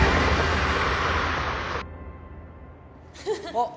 あっ！